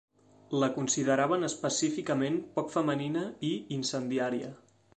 La consideraven específicament poc femenina i incendiària.